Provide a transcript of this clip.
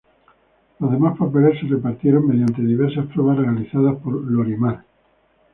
Los demás papeles se repartieron mediante diversas pruebas realizadas por "Lorimar".